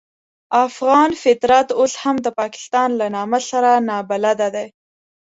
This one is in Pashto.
افغان فطرت اوس هم د پاکستان له نامه سره نابلده دی.